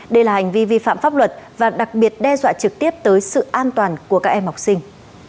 đây là hành vi vi phạm pháp luật và đặc biệt đe dọa trực tiếp tới sự an toàn của các em học sinh